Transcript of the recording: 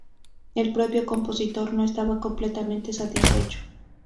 El propio compositor no estaba completamente satisfecho.